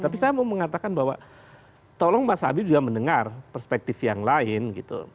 tapi saya mau mengatakan bahwa tolong mas habib juga mendengar perspektif yang lain gitu